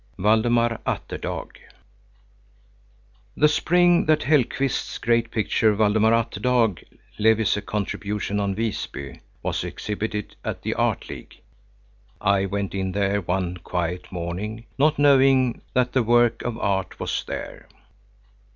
VALDEMAR ATTERDAG The spring that Hellqvist's great picture "Valdemar Atterdag levies a Contribution on Visby" was exhibited at the Art League, I went in there one quiet morning not knowing that that work of art was there.